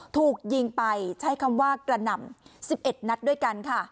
ถูกยิงไปใช้คำว่ากระหน่ำ๑๑นัดด้วยกันค่ะ